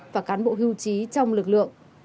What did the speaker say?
và cán bộ hưu trí trong lực lượng